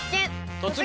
「突撃！